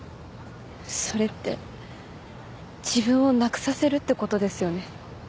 それって自分をなくさせるってことですよね？